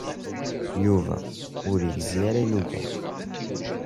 Yuba ur yegzi ara ilugan.